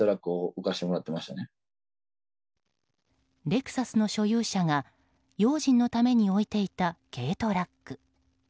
レクサスの所有者が用心のために置いていた軽トラック。